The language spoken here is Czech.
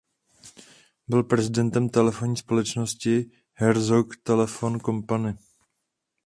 Byl prezidentem telefonní společnosti Herzog Telefon Company.